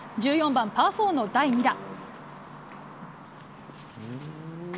９番パー４の第２打。